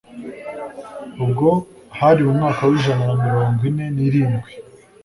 ubwo hari mu mwaka w'ijana na mirongo ine n'irindwi